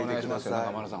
中丸さん